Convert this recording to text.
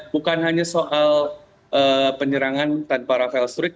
bukan hanya soal penyerangan tanpa rafale strict